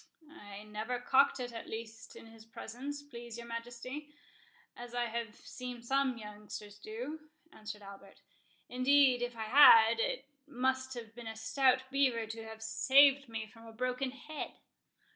"I never cocked it at least in his presence, please your Majesty, as I have seen some youngsters do," answered Albert; "indeed if I had, it must have been a stout beaver to have saved me from a broken head."